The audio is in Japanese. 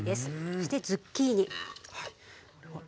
そしてズッキーニ。